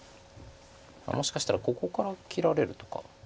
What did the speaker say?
もしかしたらここから切られるとか？